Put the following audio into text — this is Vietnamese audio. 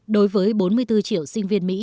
đối với bốn mươi bốn triệu sinh viên mỹ